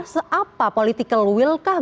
seapa political will kah